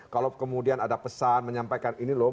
kalau kemudian ada pesan menyampaikan ini loh